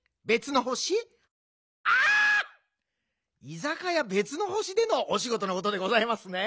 居酒屋別の星でのおしごとのことでございますね。